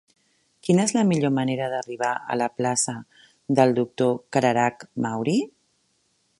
Quina és la millor manera d'arribar a la plaça del Doctor Cararach Mauri?